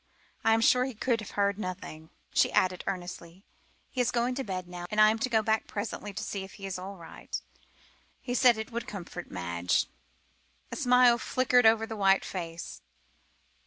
I am sure he could have heard nothing," she added earnestly; "he is going to bed now, and I am to go back presently to see that he is all right. He said it would comfort Madge." A smile flickered over the white face.